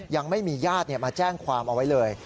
ยังไม่มีญาติมาแจ้งความเอาไว้เลย